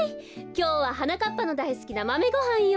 きょうははなかっぱのだいすきなマメごはんよ。